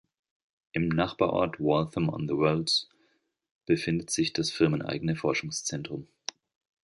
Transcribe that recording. Im Nachbarort Waltham-on-the-Wolds befindet sich das firmeneigene Forschungszentrum.